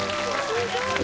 すごい。